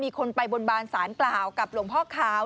คนไปบนบานสารกล่าวกับหลวงพ่อขาว